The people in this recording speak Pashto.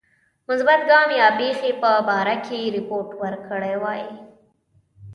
مثبت ګام یا پیښی په باره کې رپوت ورکړی وای.